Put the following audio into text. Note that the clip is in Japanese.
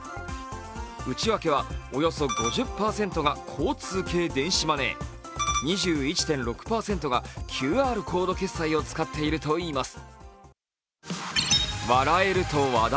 内訳はおよそ５０％が交通系電子マネー、２１．６％がＱＲコード決済を使っているといいます。